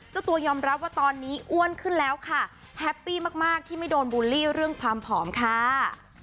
เจ้าตัวยอมรับว่าตอนนี้อ้วนขึ้นแล้วค่ะแฮปปี้มากที่ไม่โดนบูลลี่เรื่องความผอมค่ะ